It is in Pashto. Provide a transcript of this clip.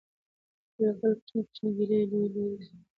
کله کله کوچنۍ کوچنۍ ګیلې لویي لویي دوستۍ او خپلوۍ ختموي